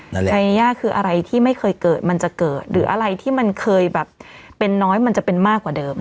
ชายย่าคืออะไรที่ไม่เคยเกิดมันจะเกิดหรืออะไรที่มันเคยแบบเป็นน้อยมันจะเป็นมากกว่าเดิม